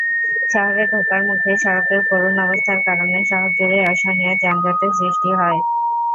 শহরে ঢোকার মুখে সড়কের করুণ অবস্থার কারণে শহরজুড়েই অসহনীয় যানজটের সৃষ্টি হচ্ছে।